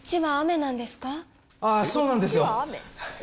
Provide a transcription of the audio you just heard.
そうなんですよ。